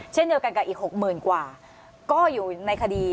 เช่นเดียวกันกับอีก๖๐๐๐กว่าก็อยู่ในคดี